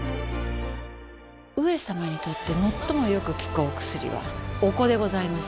上様にとってもっともよく効くお薬はお子でございます。